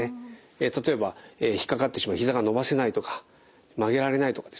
例えば引っ掛かってしまいひざが伸ばせないとか曲げられないとかですね